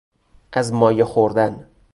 از مایه خوردن